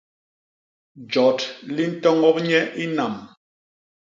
Jot li ntoñop nye i nam.